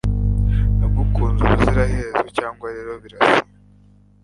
nagukunze ubuziraherezo, cyangwa rero birasa